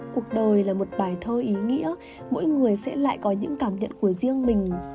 cuộc đời là một bài thơ ý nghĩa mỗi người sẽ lại có những cảm nhận của riêng mình